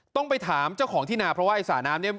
ต้องไปถามเจ้าของที่นาเพราะว่าไอ้สระน้ำเนี่ย